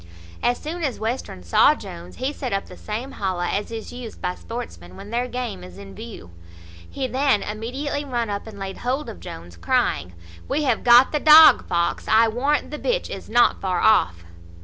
As soon as Western saw Jones, he set up the same holla as is used by sportsmen when their game is in view. He then immediately run up and laid hold of Jones, crying, "We have got the dog fox, I warrant the bitch is not far off."